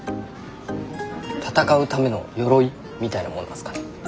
戦うための鎧みたいなもんなんすかね。